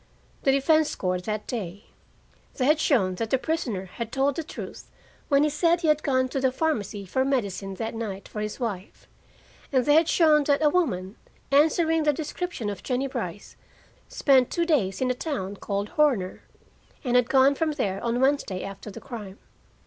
The defense scored that day. They had shown that the prisoner had told the truth when he said he had gone to a pharmacy for medicine that night for his wife; and they had shown that a woman, answering the description of Jennie Brice, spent two days in a town called Horner, and had gone from there on Wednesday after the crime.